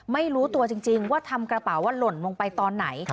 ไม่รู้ตัวจริงว่าทำกระเป๋าว่าหล่นลงไปตอนไหน